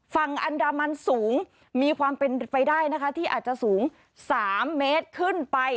ฝั่งอันดามันสูงมีความเป็นไปได้นะคะที่อาจจะสูง๓เมตรขึ้นไป